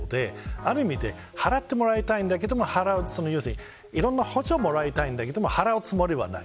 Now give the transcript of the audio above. ある意味で払ってもらいたいけどいろんな補助をもらいたいけど払うつもりはない。